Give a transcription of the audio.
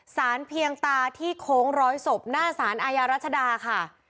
สารเพียงตาที่โค้งรอยศพหน้าสารอายรัฐธรรรมค่ะ